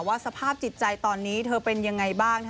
สภาพจิตใจตอนนี้เธอเป็นยังไงบ้าง